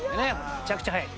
めちゃくちゃ速い。